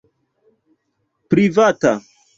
privata